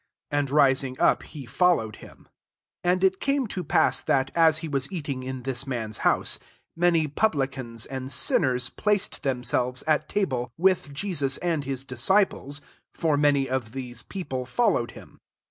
And rising up, he followed him. 15 And It came to pass, that, as he was eating in this man's house, many publicans and sin ners placed themselves at ta ble, with Jesus and his disci ples : for many of these people followed him.